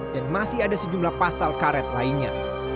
dan masih ada sejumlah pasal karet lainnya